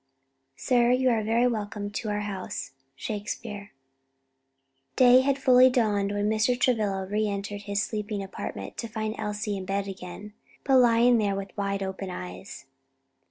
"Sir, you are very welcome to our house." SHAKESPEARE Day had fully dawned when Mr. Travilla re entered his sleeping apartment to find Elsie in bed again, but lying there with wide open eyes.